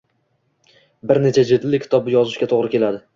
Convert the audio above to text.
bir necha jildli kitob yozishga to‘g‘ri keladi.